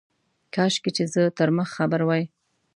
کاشکي چي زه تر مخ خبر وای.